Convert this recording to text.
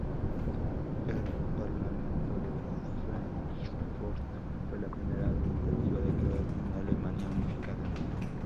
El Parlamento de Fráncfort fue la primera tentativa de crear una Alemania unificada.